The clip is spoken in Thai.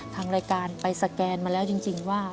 ทางรายการไปสแกนมาแล้วจริงว่า